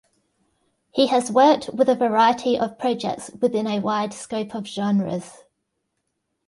He has worked with a variety of projects within a wide scope of genres.